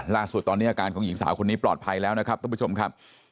ล่าสุดตอนนี้อาการของหญิงสาวคนนี้ปลอดภัยแล้วนะครับท่านผู้ชมครับ